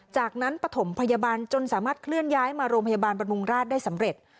จากนั้นปฐมพยาบาลจนสามารถเคลื่อนย้ายมาโรงพยาบาลบำรุงราชได้สำเร็จ